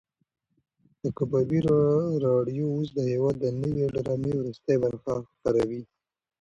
د کبابي راډیو اوس د هېواد د نوې ډرامې وروستۍ برخه خپروي.